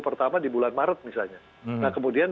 pertama di bulan maret misalnya nah kemudian